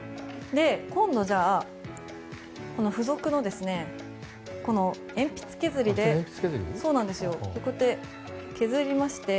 今度、この付属の鉛筆削りでこうやって削りまして。